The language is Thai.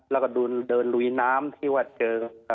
แล้วก็เดินลุยน้ำที่ว่าเจอ